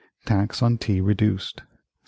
Tax on tea reduced 1774.